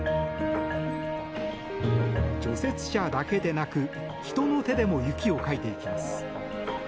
除雪車だけでなく人の手でも雪をかいていきます。